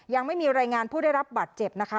ยังไม่มีรายงานผู้ได้รับบัตรเจ็บนะคะ